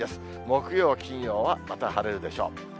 木曜、金曜はまた晴れるでしょう。